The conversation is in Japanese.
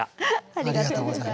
ありがとうございます。